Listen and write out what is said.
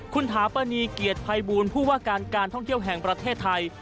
คุณถาปณีเกียรติภัยบูลผู้ว่าการการท่องเที่ยวแห่งประเทศไทย